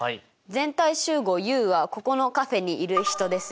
全体集合Ｕはここのカフェにいる人ですよ。